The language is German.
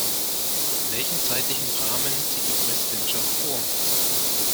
Welchen zeitlichen Rahmen sieht die Präsidentschaft vor?